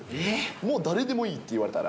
もう誰でもいいって言われたら。